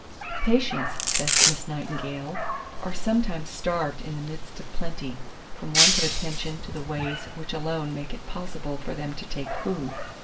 2427. "Patients," says Miss Nightingale, "are sometimes starved in the midst of plenty, from want of attention to the ways which alone make it possible for them to take food.